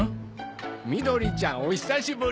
みどりちゃんお久しブリブリ！